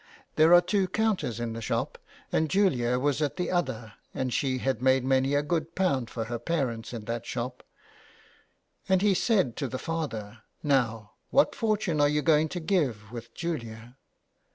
There are two counters in the shop, and Julia was at the other, and she had made many a good pound for her parents in that shop ; and he said to the father :* Now, what fortune are you going to give with 215 JULIA CAHILL'S CURSE. Julia